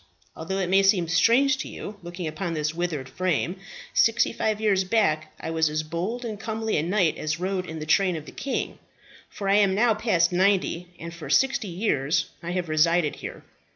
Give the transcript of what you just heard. Although it may seem strange to you, looking upon this withered frame, sixty five years back I was as bold and comely a knight as rode in the train of the king, for I am now past ninety, and for sixty years I have resided here.